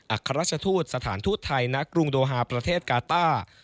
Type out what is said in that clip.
อาคารราชทูตสถานทูตไทยณกรุงโดฮาประเทศกาต้า